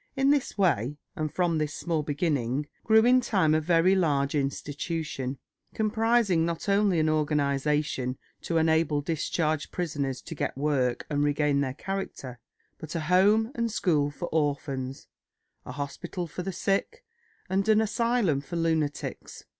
In this way and from this small beginning grew in time a very large institution, comprising not only an organisation to enable discharged prisoners to get work and regain their character, but a home and school for orphans, a hospital for the sick, and an asylum for lunatics.